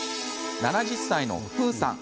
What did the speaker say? ７０歳の楓さん。